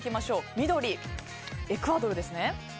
緑、エクアドルですね。